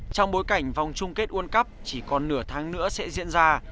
trong bối cảnh vòng chung kết world cup chỉ còn nửa tháng nữa sẽ diễn ra